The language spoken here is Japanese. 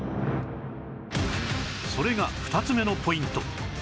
それが２つ目のポイント